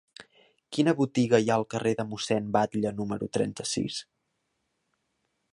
Quina botiga hi ha al carrer de Mossèn Batlle número trenta-sis?